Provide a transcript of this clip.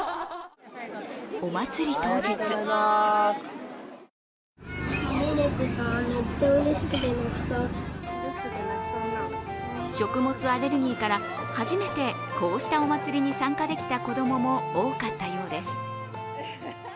お祭り当日食物アレルギーから初めてこうしたお祭りに参加できた子供も多かったようです。